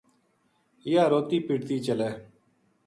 یاہ روتی پٹتی چلے